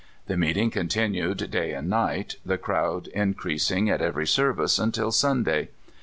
The meetiug continued day and night, the crowd increasing at every service until Sunday.